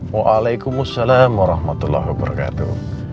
waalaikumsalam warahmatullahi wabarakatuh